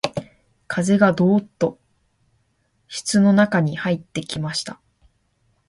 風がどうっと室の中に入ってきました